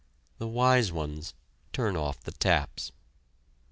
The wise ones turn off the taps.